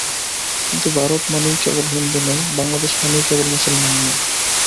কিন্তু ভারত মানেই কেবল হিন্দু নয়, বাংলাদেশ মানেই কেবল মুসলমান নয়।